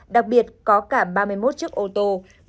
đặc biệt có cả ba mươi một chiếc ô tô